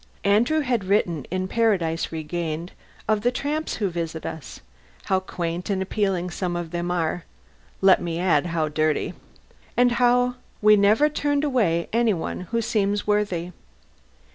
Andrew had written in "Paradise Regained" of the tramps who visit us, how quaint and appealing some of them are (let me add, how dirty), and how we never turn away any one who seems worthy.